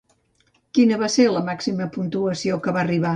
Quina va ser la màxima puntuació que va arribar?